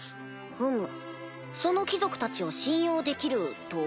ふむその貴族たちを信用できると？